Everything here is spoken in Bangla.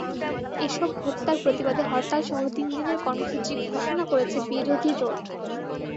এসব হত্যার প্রতিবাদে হরতালসহ তিন দিনের কর্মসূচি ঘোষণা করেছে বিরোধী জোট।